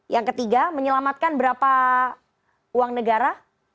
yang ketiga menyelamatkan berapa uang negara